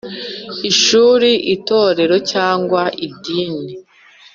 Ishuri, itorero cyangwa idini